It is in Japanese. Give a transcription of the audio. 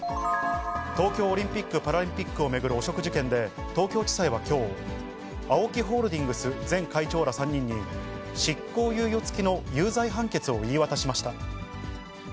東京オリンピック・パラリンピックを巡る汚職事件で、東京地裁はきょう、ＡＯＫＩホールディングス前会長ら３人に、執行猶予付きの有罪判決を言い渡しました。